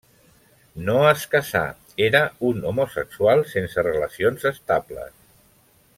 No es casà; era un homosexual sense relacions estables.